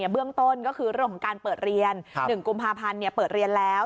เบื้องต้นก็คือเรื่องของการเปิดเรียน๑กุมภาพันธ์เปิดเรียนแล้ว